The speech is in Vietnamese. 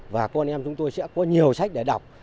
và con em chúng tôi sẽ có nhiều sách để đọc